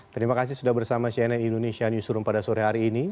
terima kasih sudah bersama cnn indonesia newsroom pada sore hari ini